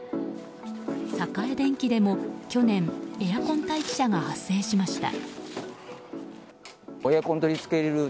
栄電気でも去年エアコン待機者が発生しました。